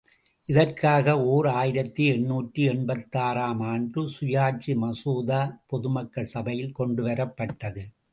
இதற்காக ஓர் ஆயிரத்து எண்ணூற்று எண்பத்தாறு ஆம் ஆண்டு சுயாட்சி மசோதா பொதுமக்கள் சபையில் கொண்டுவரப்பட்டது.